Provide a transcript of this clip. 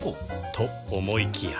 と思いきや